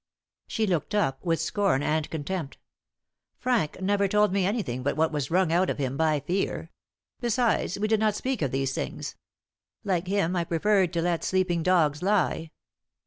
She looked up with scorn and contempt. "Frank never told me anything but what was wrung out of him by fear. Besides, we did not speak of these things. Like him, I preferred to let sleeping dogs lie."